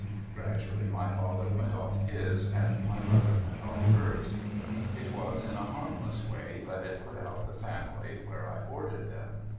Gradually my father went off his, and my mother went off hers. It was in a harmless way, but it put out the family where I boarded them.